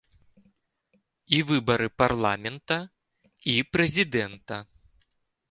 І выбары парламента, і прэзідэнта.